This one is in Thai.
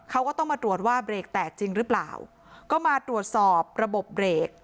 เขาก็ต้องมาตรวจว่าเบรกแตกจริงหรือเปล่าก็มาตรวจสอบระบบเบรก